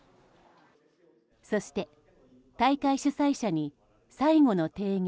そして、大会主催者に最後の提言。